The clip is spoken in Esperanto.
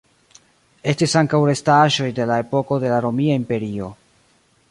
Estis ankaŭ restaĵoj de la epoko de la Romia Imperio.